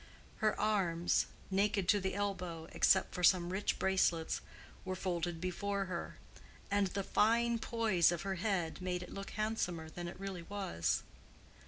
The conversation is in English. Her arms, naked to the elbow, except for some rich bracelets, were folded before her, and the fine poise of her head made it look handsomer than it really was.